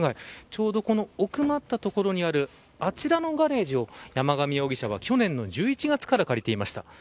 ちょうどこの奥まった所にあるあちらのガレージを山上容疑者は去年の１１月から借りていました。